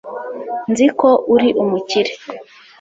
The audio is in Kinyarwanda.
nzi ko uri umukire